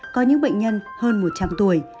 có những bệnh nhân hơn một trăm linh tuổi